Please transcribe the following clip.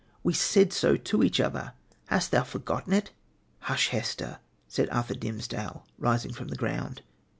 We said so to each other. Hast thou forgotten it?' 'Hush, Hester!' said Arthur Dimmesdale, rising from the ground.